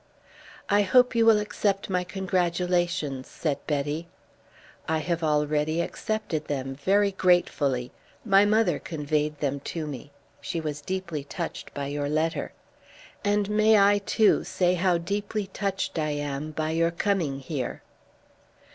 "I hope you will accept my congratulations," said Betty. "I have already accepted them, very gratefully. My mother conveyed them to me. She was deeply touched by your letter. And may I, too, say how deeply touched I am by your coming here?"